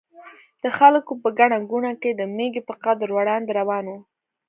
د خلکو په ګڼه ګوڼه کې د مېږي په قدم وړاندې روان و.